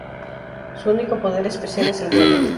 Su único poder especial es el vuelo.